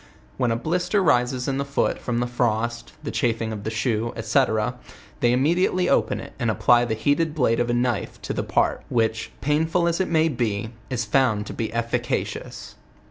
When a blister rises in the foot from the frost, the chafing of the shoe, &c., they immediately open it, and apply the heat ed blade of a knife to the part, which, painful as it may be, is found to l>e efficacious.